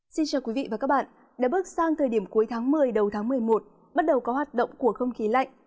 xin chào quý vị và các bạn đã bước sang thời điểm cuối tháng một mươi đầu tháng một mươi một bắt đầu có hoạt động của không khí lạnh